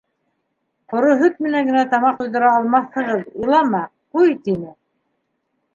Ҡоро һөт менән генә тамаҡ туйҙыра алмаҫһығыҙ, илама, ҡуй, — тине.